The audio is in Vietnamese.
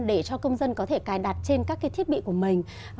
để cho công dân có thể cài đặt trên các cái thiết bị của mình